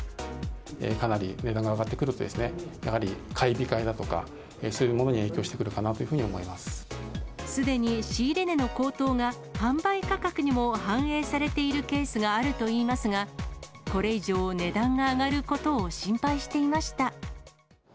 かなり値段が上がってくると、やはり買い控えだとか、そういうものに影響してくるかなというふすでに仕入れ値の高騰が、販売価格にも反映されているケースがあるといいますが、これ以上、値段が上がることを心配していました。